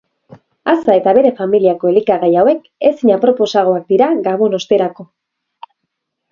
Aza eta bere familiako elikagai hauek ezin aproposagoak dira gabon osterako.